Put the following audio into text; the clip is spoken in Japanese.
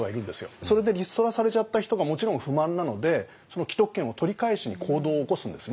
それでリストラされちゃった人がもちろん不満なのでその既得権を取り返しに行動を起こすんですね。